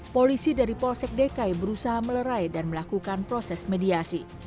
polisi dari polsek dekai berusaha melerai dan melakukan proses mediasi